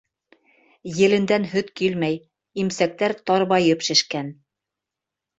Елендән һөт килмәй, имсәктәр тарбайып шешкән.